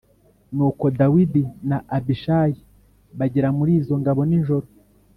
Nuko Dawidi na Abishayi bagera muri izo ngabo nijoro